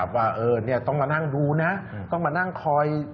ว่าต้องมานั่งดูนะต้องมานั่งคอย